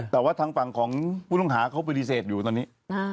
แต่ว่าทางฝั่งของผู้ต้องหาเขาปฏิเสธอยู่ตอนนี้